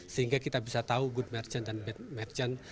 sehingga kita bisa tahu good merchant dan merchant